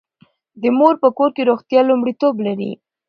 د مور په کور کې روغتیا لومړیتوب لري.